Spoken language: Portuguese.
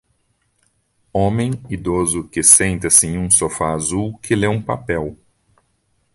Homem idoso que senta-se em um sofá azul que lê um papel.